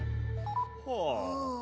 はあ。